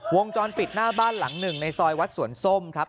วงจรปิดหน้าบ้านหลังหนึ่งในซอยวัดสวนส้มครับ